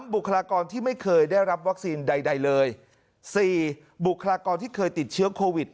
บุคลากรที่ไม่เคยได้รับวัคซีนใดเลย๔บุคลากรที่เคยติดเชื้อโควิด